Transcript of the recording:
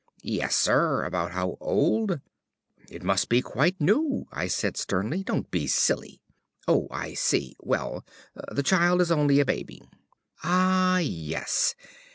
"Yes, sir. About how old?" "It must be quite new," I said sternly. "Don't be silly. Oh, I see; well, the child is only a baby." "Ah, yes.